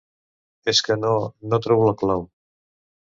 És que no... no trobo la clau.